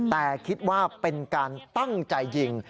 แต่คิดว่าเป็นการตั้งใจยิง